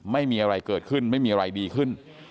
ไม่มีอะไรเกิดขึ้นไม่มีอะไรดีขึ้น